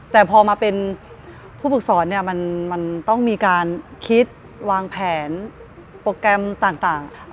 แต่พอมาเป็นผู้ฝึกสอนเนี่ยมันต้องมีการคิดวางแผนโปรแกรมต่าง